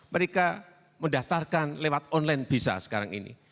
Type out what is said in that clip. mereka mendaftarkan lewat online bisa sekarang ini